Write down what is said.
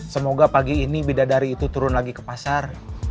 semoga pagi ini bidadari itu turun lagi ke pasar